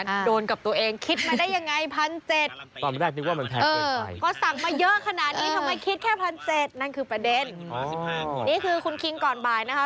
เออทำไมคิดแค่พันเจ็ดนั่นคือประเด็นอ๋อนี่คือคุณคิงก่อนบ่ายนะคะ